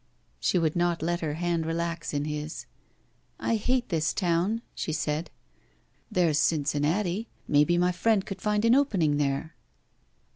She would not let her hand relax to his. I hate this town," she said. There's Cincinnati. Maybe my friend could find an opening there."